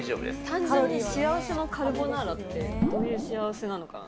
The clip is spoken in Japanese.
単純に幸せのカルボナーラって、どういう幸せなのかな。